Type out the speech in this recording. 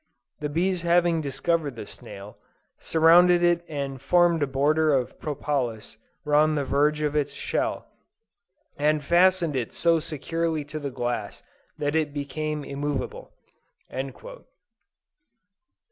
The bees having discovered the snail, surrounded it and formed a border of propolis round the verge of its shell, and fastened it so securely to the glass that it became immovable."